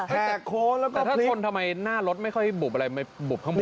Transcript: แหกโค้งแล้วก็พลิกแต่ถ้าชนทำไมหน้ารถไม่ค่อยบุบอะไรบุบทั้งหมด